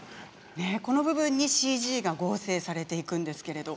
この部分にＣＧが合成されるんですね。